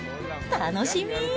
楽しみー。